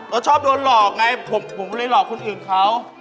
เราชอบโดนหลอกไงผมก็เลยหลอกคนอื่นเขา